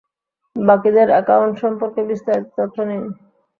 বাকিদের একাউন্ট সম্পর্কে বিস্তারিত তথ্য নিন।